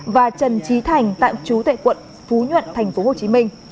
và trần trí thành tại chú tại quận phú nhuận thành phố hồ chí minh